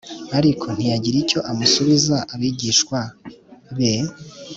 Ariko ntiyagira icyo amusubiza Abigishwa be